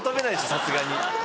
さすがに。